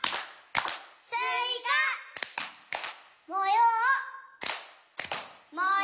「もよう」。